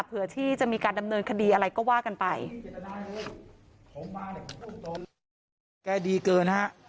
เผื่อที่จะมีการดำเนินคดีอะไรก็ว่ากันไป